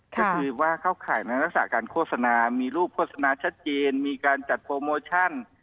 ก็คือว่าเข้าข่ายในลักษณะการโฆษณามีรูปโฆษณาชัดเจนมีการจัดโปรโมชั่น